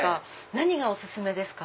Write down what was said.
何がお薦めですか？